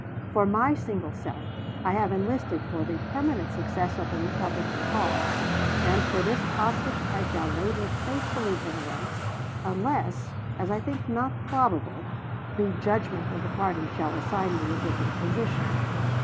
For my single self, I have enlisted for the permanent success of the Republican cause; and for this object I shall labor faithfully in the ranks, unless, as I think not probable, the judgment of the party shall assign me a different position.